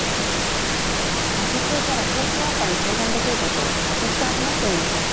落ち着いたらケースワーカーに相談できる事私から話してみましょうか。